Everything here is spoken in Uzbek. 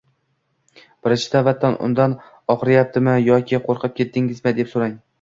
birinchi navbatda undan “Og‘riyaptimi yoki qo‘rqib ketdingmi?”, deb so‘rang.